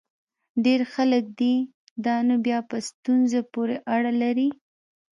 ډېر خلک دي؟ دا نو بیا په ستونزه پورې اړه لري.